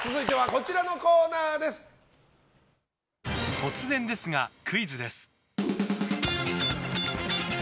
突然ですが、クイズです。